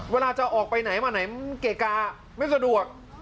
เวลาจะออกไปไหนมาไหนเกะกาไม่สะดวก